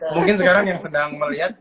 mungkin sekarang yang sedang melihat